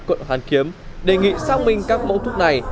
đối tượng hàn kiếm đề nghị xác minh các mẫu thuốc này